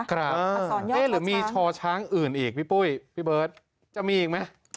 หรือมีชอช้างอื่นอีกพี่ปุ้ยพี่เบิร์ตจะมีอีกไหม